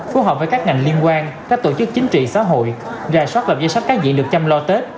phối hợp với các ngành liên quan các tổ chức chính trị xã hội rài soát lập gia sách các dị lực chăm lo tết